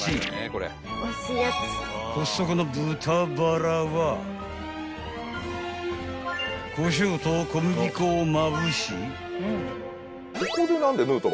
［コストコの豚バラはこしょうと小麦粉をまぶし］